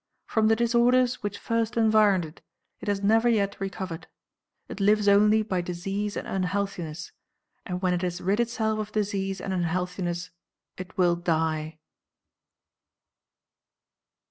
From the disorders which first environed it, it has never yet recovered. It lives only by disease and unhealthiness, and when it has rid itself of disease and unhealthiness it will die.